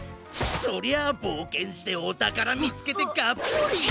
そりゃあぼうけんしておたからみつけてがっぽり。